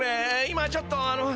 今ちょっとあの。